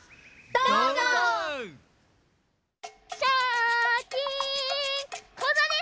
どうぞ！